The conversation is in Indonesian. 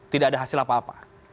tidak ada hasil apa apa